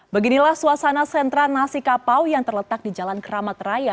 beginilah suasana sentra nasi kapau yang terletak di jalan keramat raya